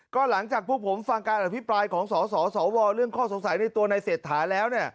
ก็หลังจากพวกผมฟังการอภิปรายของสสวเรื่องข้อสงสัยในตัวในเศรษฐาแล้ว